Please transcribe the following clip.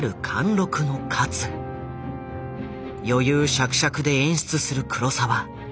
余裕しゃくしゃくで演出する黒澤。